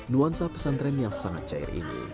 nuansa pesantren yang sangat cair ini